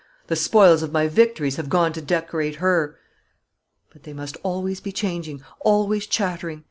The spoils of my victories have gone to decorate her. But they must always be changing, always chattering.